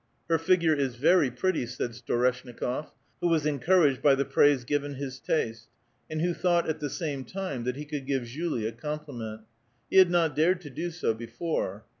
*' Her figure is very pretty," said Storeshnikof, who was encouraged by the praise given his taste, and who thought at the same time that he could give Julie a compliment. He had not dared to do so before.